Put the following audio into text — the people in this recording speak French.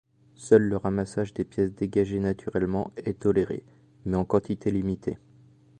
Seul le ramassage des pièces dégagées naturellement est toléré, mais en quantité limitée.